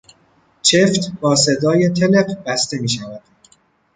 چفت با صدای تلق بسته میشود.